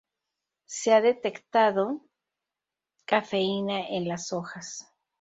Se ha detectado cafeína en las hojas.